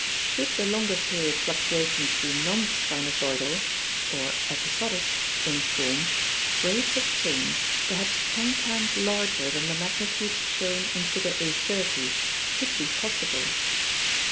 Should the longer period fluctuations be non sinusoidal (or episodic) in form, rates of change perhaps ten times larger than the magnitudes shown in Figure A. 30 could be possible.